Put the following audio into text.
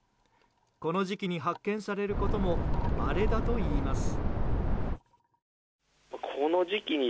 この時期に発見されることもまれだといいます。